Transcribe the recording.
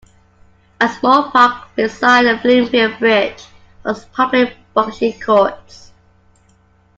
A small park beside the Bloomfield Bridge holds public "bocce" courts.